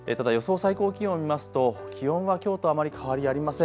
最高気温、見ますと気温はきょうとあまり変わりありません。